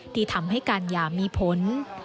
ที่ทำให้การหย่ามีผล